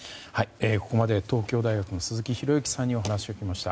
ここまで東京大学の鈴木啓之さんにお話を聞きました。